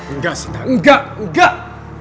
enggak sinta enggak enggak